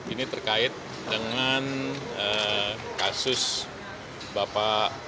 ini terkait dengan kasus bapak